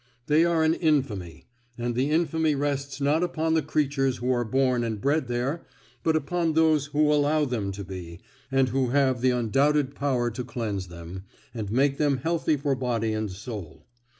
They are an infamy and the infamy rests not upon the creatures who are born and bred there, but upon those who allow them to be, and who have the undoubted power to cleanse them, and make them healthy for body and soul.